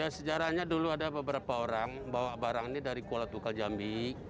sejarahnya dulu ada beberapa orang bawa barang ini dari kuala tukar jambi